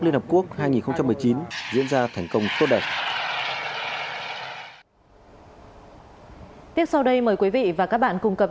liên hợp quốc hai nghìn một mươi chín diễn ra thành công tốt đẹp